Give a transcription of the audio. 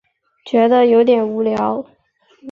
觉得有点无聊